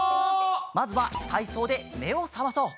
まずはたいそうでめをさまそう。